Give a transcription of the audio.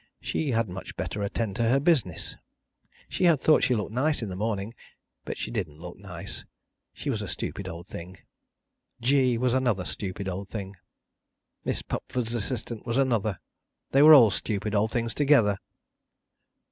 She had much better attend to her business. She had thought she looked nice in the morning, but she didn't look nice. She was a stupid old thing. G was another stupid old thing. Miss Pupford's assistant was another. They were all stupid old things together.